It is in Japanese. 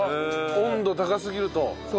温度高すぎると。